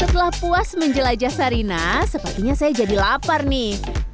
setelah puas menjelajah sarina sepertinya saya jadi lapar nih